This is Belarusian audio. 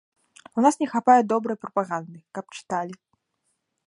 У нас не хапае добрай прапаганды, каб чыталі.